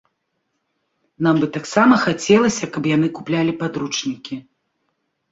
Нам бы таксама хацелася, каб яны куплялі падручнікі.